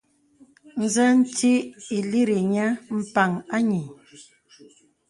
Nzə nti ǐ lìrì nyə̄ m̀pàŋ ànyìì.